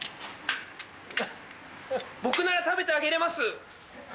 僕なら食べてあげれます！